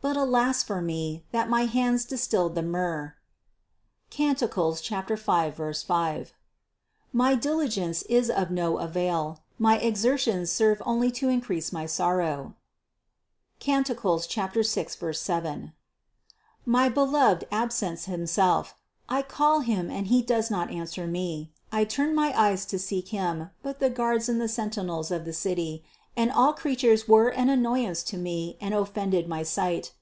But alas for me! that my hands distilled the myrrh (Cant. 5, 5) ; my diligence is of no avail, my exer tions serve only to increase my sorrow (Cant, 6, 7). My Beloved absents Himself: I call Him and He does not answer me, I turn my eyes to seek Him, but the guards and the sentinels of the city, and all creatures were an annoyance to me and offended my sight.